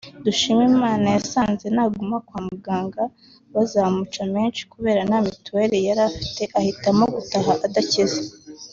Dushimirimana yasanze naguma kwa muganga bazamuca menshi kubera nta mituweli yari afite ahitamo gutaha adakize